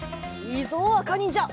いいぞあかにんじゃ。